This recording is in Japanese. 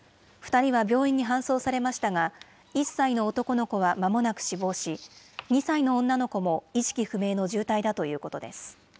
２人は病院に搬送されましたが、１歳の男の子はまもなく死亡し、２歳の女の子も意識不明の重体だということです。